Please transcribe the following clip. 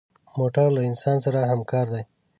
موټر له انسان سره همکار دی.